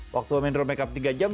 waktu om indro makeup tiga jam